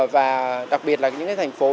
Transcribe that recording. và đặc biệt là những cái thành phố